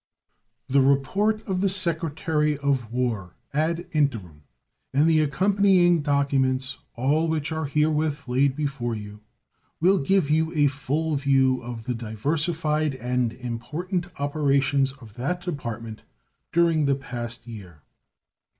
The report of the Secretary of War ad interim and the accompanying documents, all which are herewith laid before you, will give you a full view of the diversified and important operations of that Department during the past year.